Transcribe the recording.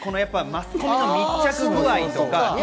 マスコミの密着具合とか。